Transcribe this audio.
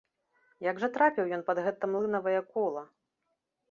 Як жа трапіў ён пад гэта млынавае кола?!